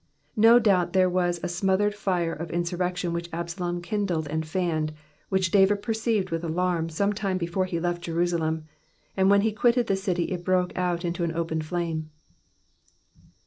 No doubt there was a smothered fire of insurrection which Absalom kindled and fanned, which David perceived with alarm some time before he left Jerusalem ; and when he quitted the city it broke out into an open flame.